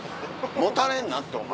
もたれんなってお前。